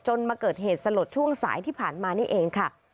มาเกิดเหตุสลดช่วงสายที่ผ่านมานี่เองค่ะ